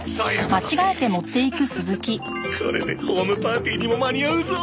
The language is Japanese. これでホームパーティーにも間に合うぞ！